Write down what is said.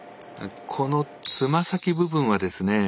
このつま先部分はですね